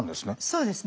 そうですね。